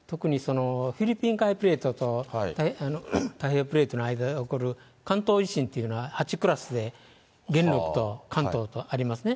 特にフィリピン海プレートと太平洋プレートの間で起こる関東いしんっていうのは８クラスで、元禄と関東とありますね。